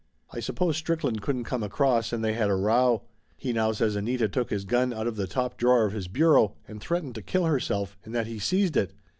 I suppose Strickland couldn't come across and they had a row. He now says Anita took his gun out of the top drawer of his bureau and threatened to kill herself, and that he seized it.